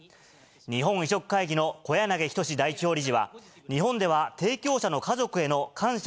日本移植会議の小やなぎ仁代表理事は、日本では提供者の家族への感謝